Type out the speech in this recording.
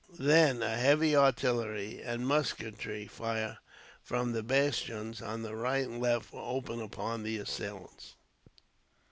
Then a heavy artillery and musketry fire from the bastions on the right and left was opened upon the assailants.